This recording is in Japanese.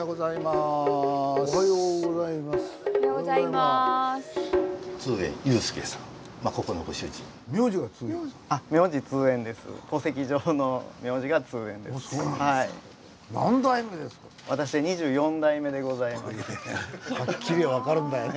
すごいねはっきり分かるんだよね